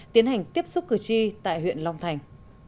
tiến hành tiếp xúc cử tri tại huyện long thành